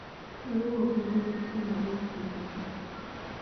Waliwo okwogera okusome oba okutendeke.